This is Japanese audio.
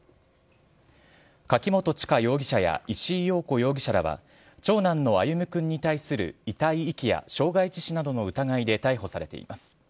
柿本知香容疑者や石井陽子容疑者らは、長男の歩夢くんに対する遺体遺棄や傷害致死などの疑いで逮捕されています。